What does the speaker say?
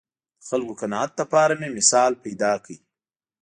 د خلکو قناعت لپاره مې مثال پیدا کړ